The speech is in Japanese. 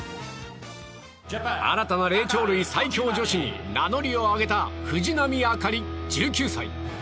新たな霊長類最強女子に名乗りを上げた藤波朱理、１９歳。